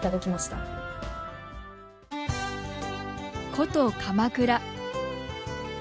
古都・鎌倉。